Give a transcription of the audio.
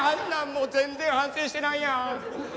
もう全然反省してないやん。